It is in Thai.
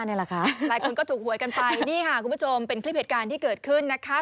หลายคนก็ถูกหวยกันไปนี่ค่ะคุณผู้ชมเป็นคลิปเหตุการณ์ที่เกิดขึ้นนะคะ